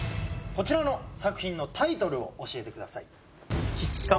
こちらの作品のタイトルを教えてください